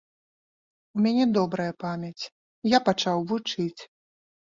У мяне добрая памяць, я пачаў вучыць.